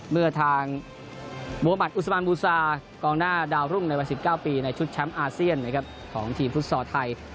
เมื่อทางมุมัติอุสมันบูซากองหน้าดาวรุ่งในวัน๑๙ปีในชุดแชมป์อาเซียนของทีมฟุตซอลไทย